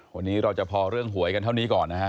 วันนี้เราจะพอเรื่องหวยกันเท่านี้ก่อนนะฮะ